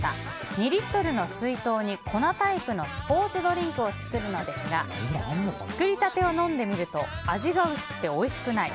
２リットルの水筒に粉タイプのスポーツドリンクを作るのですが作り立てを飲んでみると味が薄くておいしくない。